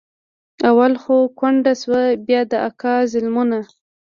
اول خو کونډه سوه بيا د اکا ظلمونه.